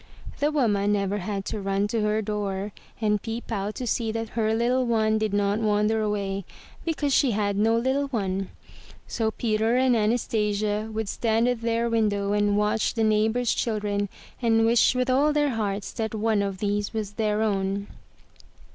The woman never had to run to her door and peep out to see that her little one did not wander away, because she had no little one. So Peter and Anastasia would stand at their window and watch the neighbor's children and wish with all their hearts that one of these was their own.